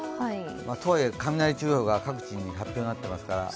とはいえ雷注意報が各地に発表になってますから。